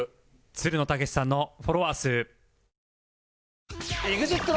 つるの剛士さんのフォロワー数